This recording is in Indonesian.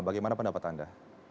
bagaimana pendapat anda